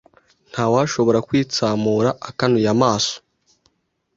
Ntawashobora kwitsamura akanuye amaso